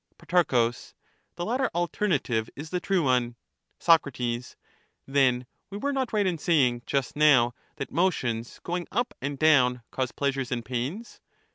Pro, The latter alternative is the true one. Soc, Then we were not right in saying, just now, that motions going up and down cause pleasures and pains